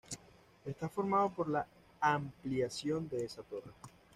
Está formado por la ampliación de esa torre.